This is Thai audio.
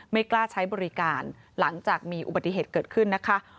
ไม่กล้าใช้บริการหลังจากมีอุบัติเหตุเกิดขึ้นนะคะ